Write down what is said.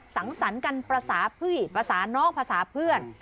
สังสรรค์กันภาษาพี่ภาษาน้องภาษาเพื่อน